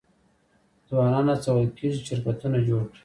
ځوانان هڅول کیږي چې شرکتونه جوړ کړي.